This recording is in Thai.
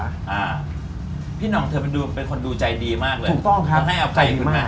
บ๊วยบ๊วยบ๊วยพี่นองเธอเป็นคนดูใจดีมากเลยคุณคงให้อภัยไหมอเจมส์ถูกต้องครับใจดีมาก